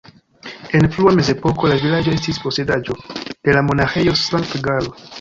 En frua mezepoko la vilaĝo estis posedaĵo de la Monaĥejo Sankt-Galo.